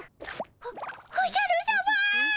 おおじゃるさま。